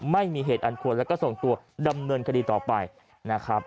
ไม่มีเหตุอันควรแล้วก็ส่งตัวดำเนินคดีต่อไปนะครับ